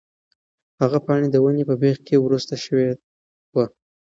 هغه پاڼه د ونې په بېخ کې ورسته شوې وه.